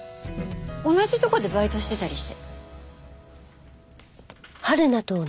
同じとこでバイトしてたりして。